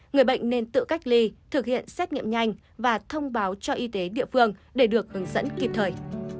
người bệnh nên tự cách ly thực hiện xét nghiệm nhanh và thông báo cho y tế địa phương để được hướng dẫn kịp thời